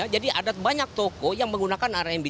jadi ada banyak toko yang menggunakan rmb